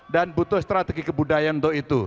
dan butuh strategi kebudayaan untuk itu